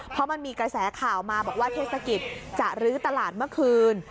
เพราะมันมีกระแสข่าวมาบอกว่าเทศกิจจะลื้อตลาดเมื่อคืน